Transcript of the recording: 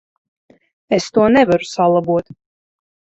Es to nevaru salabot.